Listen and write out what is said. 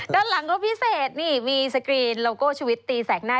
ด้านหลังก็พิเศษนี่มีสกรีนโลโก้ชีวิตตีแสกหน้า